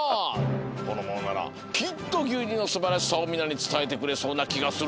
このものならきっとぎゅうにゅうのすばらしさをみなにつたえてくれそうなきがするのう。